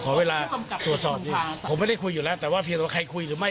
ขอเวลาตรวจสอบดีกว่าผมไม่ได้คุยอยู่แล้วแต่ว่าเพียงแต่ว่าใครคุยหรือไม่